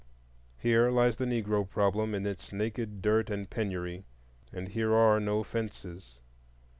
Here lies the Negro problem in its naked dirt and penury. And here are no fences.